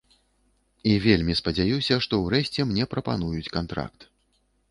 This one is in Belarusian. І вельмі спадзяюся, што ўрэшце мне прапануюць кантракт.